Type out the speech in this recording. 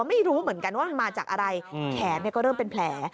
ไม่รู้เหมือนกันว่ามันมาจากอะไรแขนก็เริ่มเป็นแผล